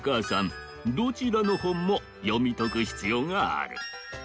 どちらのほんもよみとく必要がある。